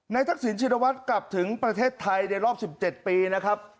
ทักษิณชินวัฒน์กลับถึงประเทศไทยในรอบ๑๗ปีนะครับ